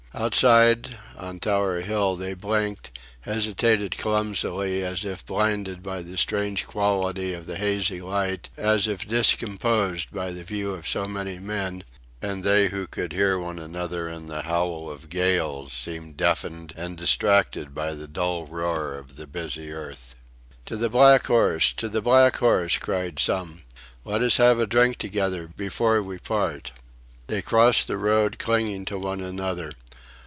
Outside, on Tower Hill, they blinked, hesitated clumsily, as if blinded by the strange quality of the hazy light, as if discomposed by the view of so many men; and they who could hear one another in the howl of gales seemed deafened and distracted by the dull roar of the busy earth. "To the Black Horse! To the Black Horse!" cried some. "Let us have a drink together before we part." They crossed the road, clinging to one another.